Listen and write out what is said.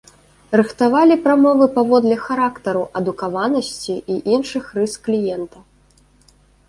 Рыхтавалі прамовы паводле характару, адукаванасці і іншых рыс кліента.